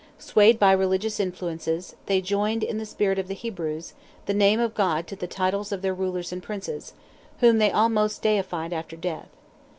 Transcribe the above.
Swayed by religious influences, they joined, in the spirit of the Hebrews, the name of God to the titles of their rulers and princes, whom they almost deified after death.